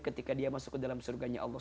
ketika dia masuk ke dalam surganya allah